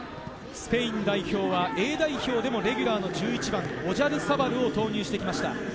スペイン代表はＡ代表でもレギュラーの１１番・オジャルサバルを投入してきました。